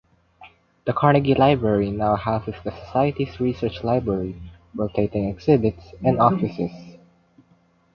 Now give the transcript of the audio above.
The Carnegie Library now houses the Society's research library, rotating exhibits, and offices.